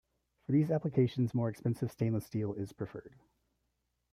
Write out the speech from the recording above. For these applications, more expensive stainless steel is preferred.